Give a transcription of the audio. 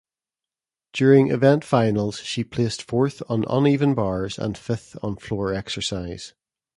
During event finals she placed fourth on uneven bars and fifth on floor exercise.